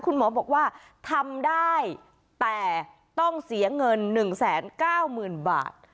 คุณหมอบอกว่าทำได้แต่ต้องเสียเงิน๑๙๐๐๐๐บาท